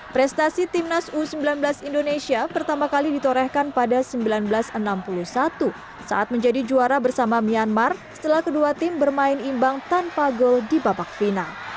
prestasi timnas u sembilan belas indonesia pertama kali ditorehkan pada seribu sembilan ratus enam puluh satu saat menjadi juara bersama myanmar setelah kedua tim bermain imbang tanpa gol di babak final